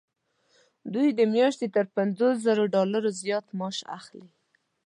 دوی د میاشتې تر پنځوس زرو ډالرو زیات معاش اخلي.